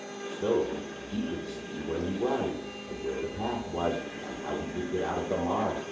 So he could see where he was, and where the path was, and how he could get out of the marsh.